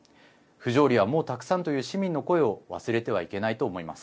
不条理はもうたくさんという市民の声を忘れてはいけないと思います。